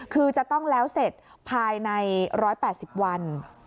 คือจะต้องแล้วเสร็จภายใน๑๘๐วัน